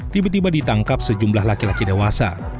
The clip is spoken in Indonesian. tiba tiba ditangkap sejumlah laki laki dewasa